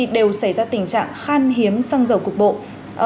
đều xảy ra tình trạng khan hiếm xăng dầu cục bộ